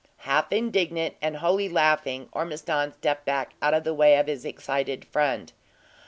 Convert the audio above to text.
Half indignant, and wholly laughing, Ormiston stepped back out of the way of his excited friend.